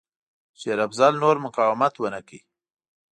شېر افضل نور مقاومت ونه کړ.